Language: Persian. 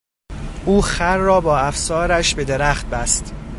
او خر را با افسارش به درخت بست.